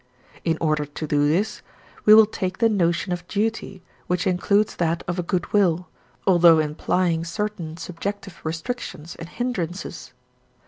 In order to do this, we will take the notion of duty, which includes that of a good will, although implying certain subjective restrictions and hindrances.